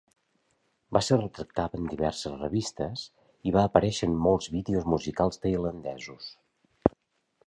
Va ser retractada en diverses revistes i va aparèixer en molts vídeos musicals tailandesos.